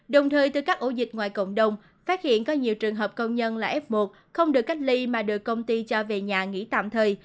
đồng thời từ các ổ dịch ngoài cộng đồng phát hiện có nhiều trường hợp công nhân là f một không được cách ly mà được công ty cho về nhà nghỉ tạm thời